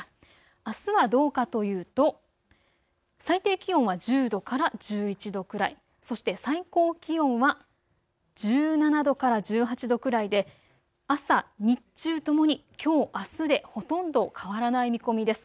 あすはどうかというと最低気温は１０度から１１度くらい、そして最高気温は１７度から１８度くらいで朝、日中ともにきょうあすでほとんど変わらない見込みです。